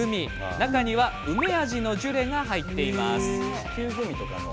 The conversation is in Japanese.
中には梅味のジュレが入っています。